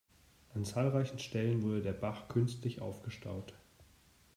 An zahlreichen Stellen wurde der Bach künstlich aufgestaut.